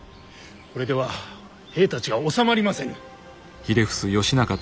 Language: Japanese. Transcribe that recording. これでは兵たちが収まりませぬ。